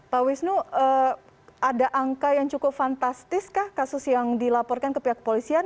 pak wisnu ada angka yang cukup fantastis kah kasus yang dilaporkan ke pihak polisian